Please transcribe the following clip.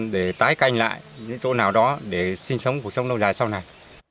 để tái canh lại những chỗ nào đó để sinh sống cuộc sống lâu dài sau này